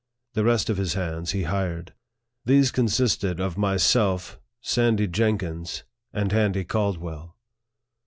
The rest of his hands he hired. These con sisted of myself, Sandy Jenkins,* and Handy Caldwell.